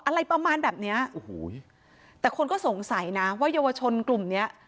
อะไรประมาณแบบเนี้ยโอ้โหแต่คนก็สงสัยนะว่าเยาวชนกลุ่มเนี้ย